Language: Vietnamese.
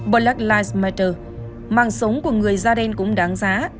black lives matter mạng sống của người da đen cũng đáng giá